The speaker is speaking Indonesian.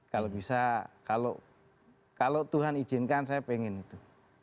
kalau bisa kalau tuhan izinkan saya pengen itu